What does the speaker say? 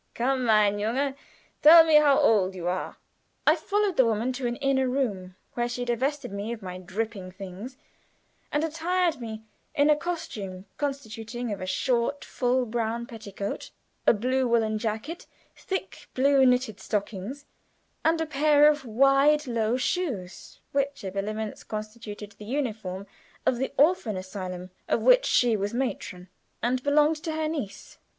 "Come, mein Junge, tell me how old you are?" I followed the woman to an inner room, where she divested me of my dripping things, and attired me in a costume consisting of a short full brown petticoat, a blue woolen jacket, thick blue knitted stockings, and a pair of wide low shoes, which habiliments constituted the uniform of the orphan asylum of which she was matron, and belonged to her niece.